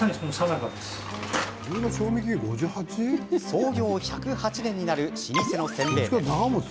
創業１０８年になる老舗のせんべい店です。